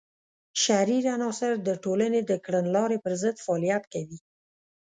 شریر عناصر د ټولنې د کړنلارې پر ضد فعالیت کوي.